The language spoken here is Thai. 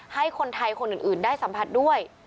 ให้คนไทยคนอื่นได้สัมผัสด้วย